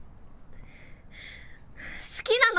好きなの！